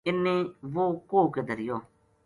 اِن نے وہ کوہ کے دھریو